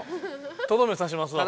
とどめさしますわこれ。